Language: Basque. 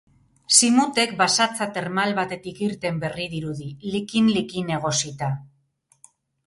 Simutek basatza termal batetik irten berri dirudi, likin-likin, egosita.